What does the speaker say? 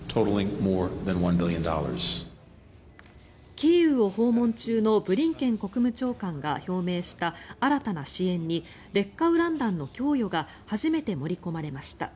キーウを訪問中のブリンケン国務長官が表明した新たな支援に劣化ウラン弾の供与が初めて盛り込まれました。